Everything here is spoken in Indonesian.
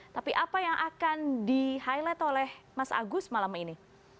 tapi apa yang akan di highlight oleh mas agus malam ini